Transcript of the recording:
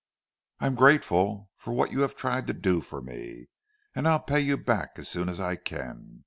I'm grateful for what you have tried to do for me, and I'll pay you back as soon as I can.